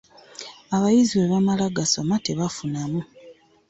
Abayizi bwe bamala gasoma tebafunamu.